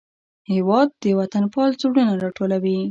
هېواد د وطنپال زړونه راټولوي.